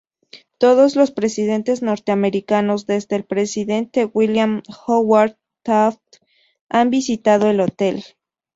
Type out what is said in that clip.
Todos los presidentes norteamericanos desde el Presidente William Howard Taft han visitado el hotel.